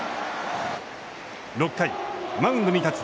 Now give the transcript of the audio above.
６回、マウンドに立つ